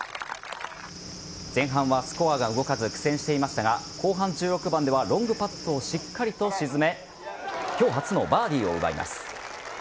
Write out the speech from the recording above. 前半はスコアが動かず苦戦していましたが後半１６番ではロングパットをしっかりと沈め今日初のバーディーを奪います。